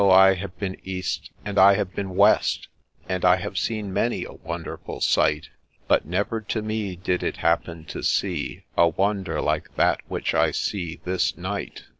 I have been east, and I have been west, And I have seen many a wonderful sight ; But never to me did it happen to see A wonder like that which I see this night.